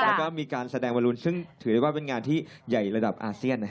แล้วก็มีการแสดงบอลลูนซึ่งถือได้ว่าเป็นงานที่ใหญ่ระดับอาเซียน